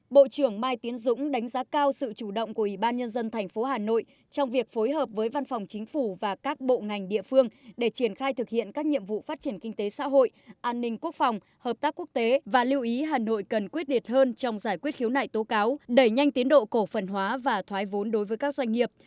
bộ trưởng mai tiến dũng đánh giá cao sự chủ động của ủy ban nhân dân thành phố hà nội trong việc phối hợp với văn phòng chính phủ và các bộ ngành địa phương để triển khai thực hiện các nhiệm vụ phát triển kinh tế xã hội an ninh quốc phòng hợp tác quốc tế và lưu ý hà nội cần quyết liệt hơn trong giải quyết khiếu nại tố cáo đẩy nhanh tiến độ cổ phần hóa và thoái vốn đối với các doanh nghiệp